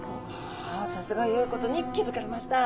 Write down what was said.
あさすがよいことに気付かれました。